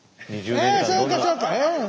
ああそうかそうか！